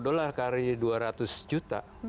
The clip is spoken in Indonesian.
sepuluh dolar kari dua ratus juta